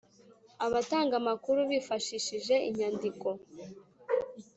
Abatanga amakuru bifashishije inyandiko